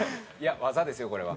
技ですよこれは。